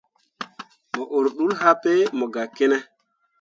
Mo ur ḍul happe mo gah ki ne.